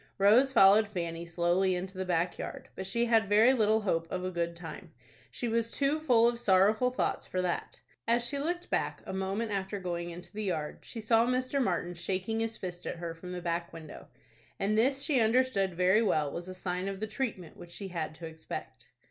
Rose followed Fanny slowly into the back yard; but she had very little hope of a good time. She was too full of sorrowful thoughts for that. As she looked back, a moment after going into the yard, she saw Mr. Martin shaking his fist at her from the back window, and this she understood very well was a sign of the treatment which she had to expect.